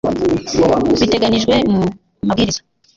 biteganijwe mu mabwiriza